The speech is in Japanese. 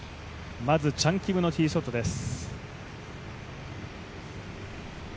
まず、チャン・キムのティーショットです。